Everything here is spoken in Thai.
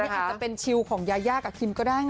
อาจจะเป็นชิลของยายากับคิมก็ได้ไง